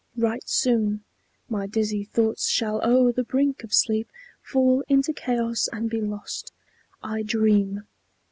right soon My dizzy thoughts shall o'er the brink of sleep Fall into chaos and be lost. I dream.